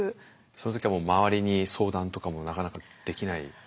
その時はもう周りに相談とかもなかなかできない。